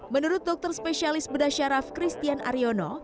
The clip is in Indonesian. menurut dokter spesialis bedah syaraf christian aryono